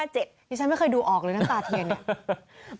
ดิฉันไม่เคยดูออกเลยน้ำตาเทียนเนี่ย